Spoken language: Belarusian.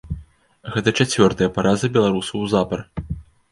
Гэта чацвёртая параза беларусаў запар.